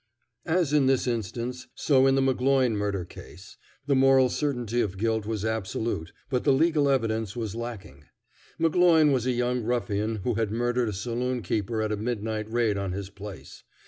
As in this instance, so in the McGloin murder case, the moral certainty of guilt was absolute, but the legal evidence was lacking. McGloin was a young ruffian who had murdered a saloon keeper at a midnight raid on his place.